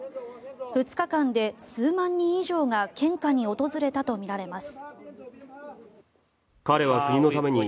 ２日間で数万人以上が献花に訪れたとみられます。